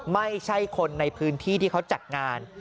ไม่ใช่คนในพื้นที่ที่เขาจัดงาน